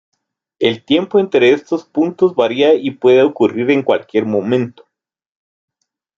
El tiempo entre estos puntos varía y puede ocurrir en cualquier momento.